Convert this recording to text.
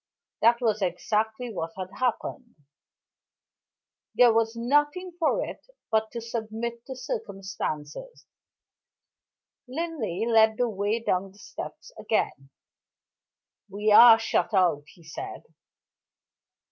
That was exactly what had happened. There was nothing for it but to submit to circumstances. Linley led the way down the steps again. "We are shut out," he said.